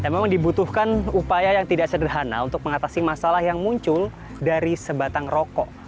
memang dibutuhkan upaya yang tidak sederhana untuk mengatasi masalah yang muncul dari sebatang rokok